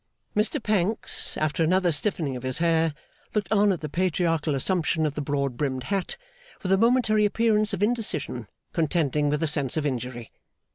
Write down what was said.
Mr Pancks, after another stiffening of his hair, looked on at the Patriarchal assumption of the broad brimmed hat, with a momentary appearance of indecision contending with a sense of injury.